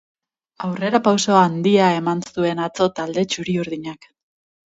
Aurrerapauso handia eman zuen atzo talde txuri-urdinak.